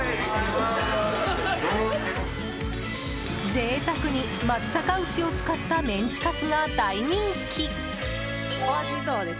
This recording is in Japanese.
贅沢に松阪牛を使ったメンチカツが大人気。